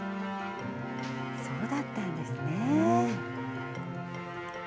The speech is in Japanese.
そうだったんですね。